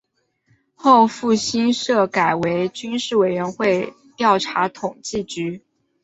后复兴社改为军事委员会调查统计局。